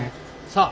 さあ。